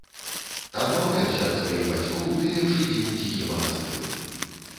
Адмаўляйся ад сваіх бацькоў ды лепш ідзі ў ціхі манастыр.